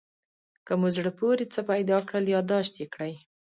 که مو زړه پورې څه پیدا کړل یادداشت کړئ.